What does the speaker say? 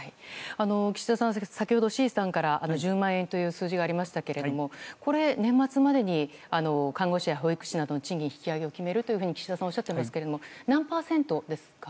岸田さん、先ほど志位さんから１０万円という数字がありましたが年末までに看護師や保育士などの賃金引き上げを決めると岸田さんおっしゃっていますが何パーセントですか。